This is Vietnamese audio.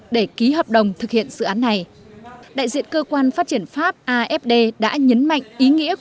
để ký hợp đồng thực hiện dự án này đại diện cơ quan phát triển pháp afd đã nhấn mạnh ý nghĩa